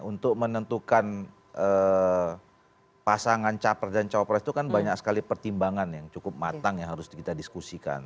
untuk menentukan pasangan capres dan cawapres itu kan banyak sekali pertimbangan yang cukup matang yang harus kita diskusikan